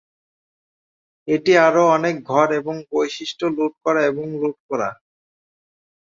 এটি আরও অনেক ঘর এবং বৈশিষ্ট্য লুট করা এবং লুট করা।